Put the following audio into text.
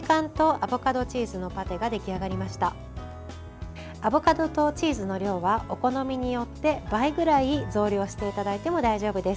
アボカドとチーズの量はお好みによって倍ぐらい増量していただいても大丈夫です。